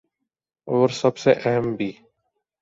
اور سب سے اہم بھی ۔